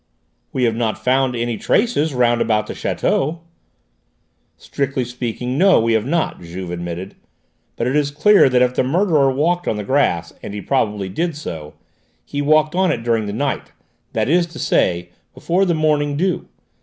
"We have not found any traces round about the château." "Strictly speaking, no, we have not," Juve admitted; "but it is clear that if the murderer walked on the grass, and he probably did so, he walked on it during the night, that is to say, before the morning dew.